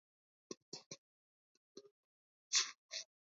ალბომის გარეკანი ამ ინფორმაციას არ შეიცავს.